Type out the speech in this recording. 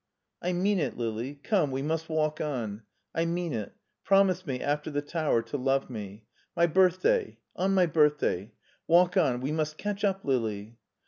" I mean it, Lili. Come, we must walk on. I mean it. Promise me — ^after the tower — ^to love me. My birthday, on my birthday. Walk on, we must catch up, Lili!"